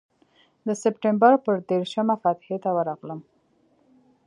د سپټمبر پر دېرشمه فاتحې ته ورغلم.